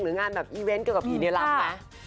หรืองานแบบอีเวนต์เกี่ยวกับผีเนี่ยรับไหม